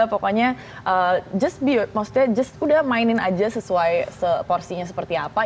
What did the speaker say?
pokoknya just beyot maksudnya just udah mainin aja sesuai porsinya seperti apa